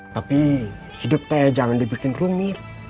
tapi hidup teh jangan dibikin rumit